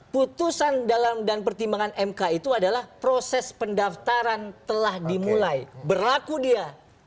putusan dan pertimbangan mk itu adalah proses pendaftaran telah dimulai berlaku dia